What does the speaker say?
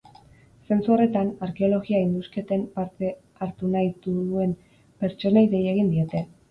Zentzu horretan, arkeologia-indusketan parte hartu nahi duen pertsonei dei egin diete.